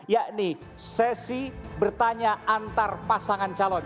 yakni sesi bertanya antar pasangan calon